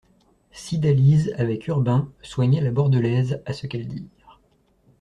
Cydalise, avec Urbain, soignait la Bordelaise, à ce qu'elles dirent.